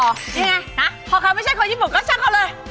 นี่ไงนะพอเขาไม่ใช่คนญี่ปุ่นก็ช่างเขาเลย